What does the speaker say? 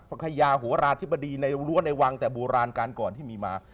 คยาโหราธิบดีในรั้วในวังแต่โบราณการก่อนที่มีมา